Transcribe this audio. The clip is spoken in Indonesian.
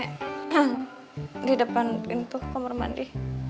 nah di depan pintu kamar mandi